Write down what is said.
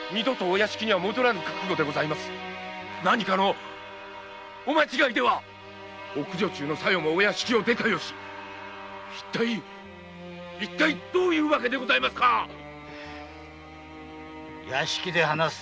何かのお間違いでは奥女中の小夜もお屋敷を出た由どういう訳でございますか屋敷で話す。